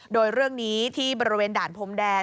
โดยเรื่องนี้ที่บริเวณด่านพรมแดน